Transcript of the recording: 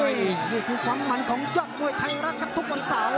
นี่คือความหมั่นของจับมวยทางราคาทุกวันเสาร์